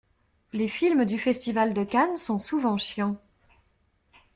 Les films du festival de Cannes sont souvent chiants.